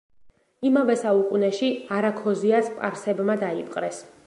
იმავე საუკუნეში არაქოზია სპარსებმა დაიპყრეს.